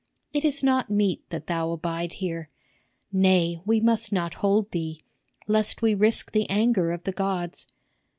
It is not meet that thou abide here. Nay we must not hold thee, lest we risk the anger of the gods.